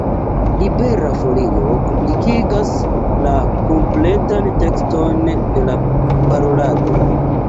Libera Folio publikigas la kompletan tekston de la parolado.